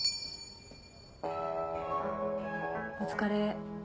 お疲れ。